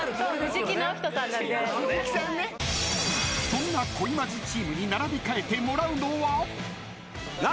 ［そんな恋マジチームに並び替えてもらうのは？］